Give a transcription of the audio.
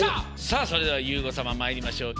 さあそれではゆうごさままいりましょう。